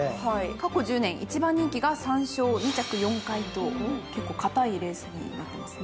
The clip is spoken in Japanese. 過去１０年１番人気が３勝２着４回と結構堅いレースになってますね。